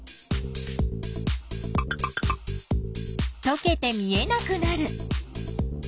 とけて見えなくなる。